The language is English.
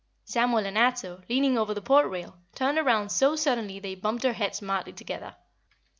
Samuel and Ato, leaning over the port rail, turned round so suddenly they bumped their heads smartly together.